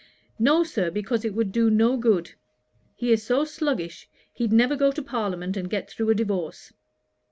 'No, Sir; because it would do no good: he is so sluggish, he'd never go to parliament and get through a divorce.'